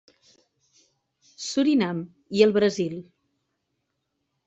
Surinam i el Brasil.